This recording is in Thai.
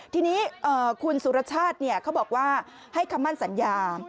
ทีนี้คุณสุรชาติเขาบอกว่าให้คำมั่นสัญญา